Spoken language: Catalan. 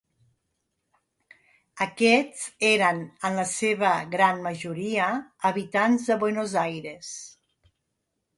Aquests eren, en la seva gran majoria, habitants de Buenos Aires.